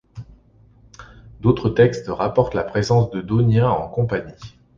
D'autres textes rapportent la présence de Dauniens en Campanie.